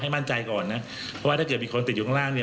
เพราะว่าถ้าเกิดมีคนติดอยู่ข้างล่างเนี่ย